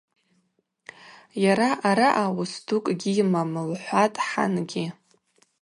Йара араъа уыс дукӏ гьйымам, – лхӏватӏ хӏангьи.